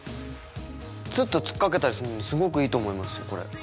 つっと突っかけたりするのにすごくいいと思いますよこれ。